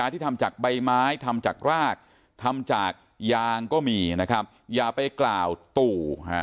ที่ทำจากใบไม้ทำจากรากทำจากยางก็มีนะครับอย่าไปกล่าวตู่